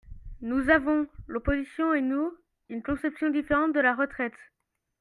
Nous avons, l’opposition et nous, une conception différente de la retraite.